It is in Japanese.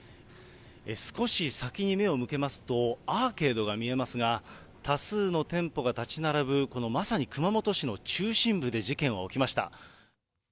少し先に目を向けますと、アーケードが見えますが、多数の店舗が建ち並ぶ、このまさに熊本市の中心部で事件は置きました。